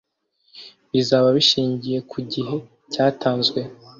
bizaba bishingiye ku gihe cyatanzwe